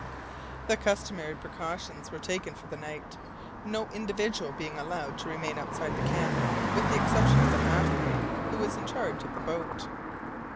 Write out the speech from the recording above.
The customary precautions were taken for the night, no individual being allowed to remain outside the camp, with the exception of the half breed, who was in charge of the boat.